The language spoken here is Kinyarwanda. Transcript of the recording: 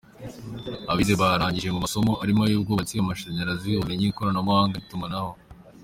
Abize barangije mu masomo arimo ay’ubwubatsi, amashanyarazi, ubumenyi ikoranabuhanga n’itumanaho.